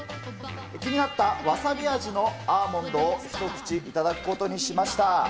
気になったわさび味のアーモンドを一口頂くことにしました。